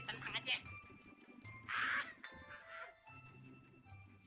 abang tunggu kesini ya bener